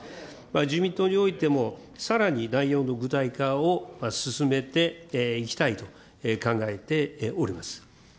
自民党においても、さらに内容の具体化を進めていきたいと考えております。